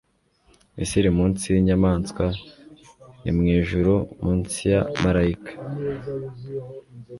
Isi iri munsi yinyamaswa ni mwijuru munsi ya marayika